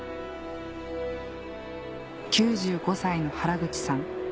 ９５歳の原口さん